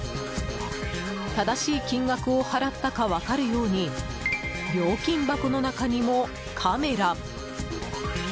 正しい金額を払ったか分かるように料金箱の中にもカメラ。